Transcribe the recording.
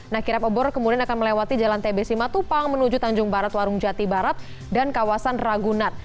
nah kirab obor kemudian akan melewati jalan tbs lima tupang menuju tanjung barat warung jati barat dan kawasan ragunat